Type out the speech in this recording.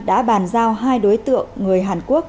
đã bàn giao hai đối tượng người hàn quốc